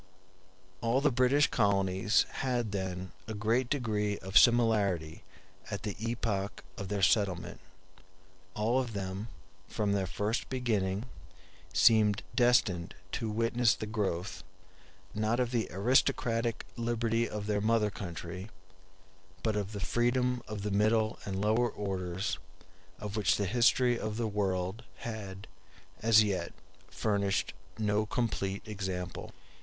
All the British colonies had then a great degree of similarity at the epoch of their settlement. All of them, from their first beginning, seemed destined to witness the growth, not of the aristocratic liberty of their mother country, but of that freedom of the middle and lower orders of which the history of the world had as yet furnished no complete example.